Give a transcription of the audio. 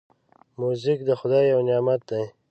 موزیک د خدای یو نعمت دی.